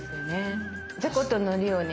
じゃこと海苔をね